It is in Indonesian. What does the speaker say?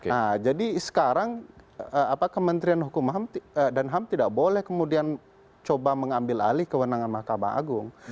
nah jadi sekarang kementerian hukum dan ham tidak boleh kemudian coba mengambil alih kewenangan mahkamah agung